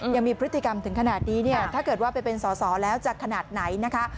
ยังมีพฤติกรรมถึงขนาดนี้เนี่ยถ้าเกิดว่าไปเป็นสอสอแล้วจะขนาดไหนนะคะ